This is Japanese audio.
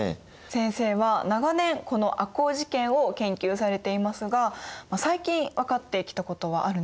先生は長年この赤穂事件を研究されていますが最近分かってきたことはあるんでしょうか？